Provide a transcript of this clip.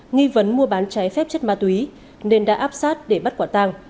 nghi vấn mua bán trái phép chất ma túy nên đã áp sát để bắt quả tàng